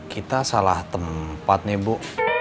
kita salah tempat nih bu